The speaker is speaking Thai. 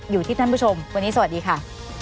อยู่ที่ท่านผู้ชมวันนี้สวัสดีค่ะ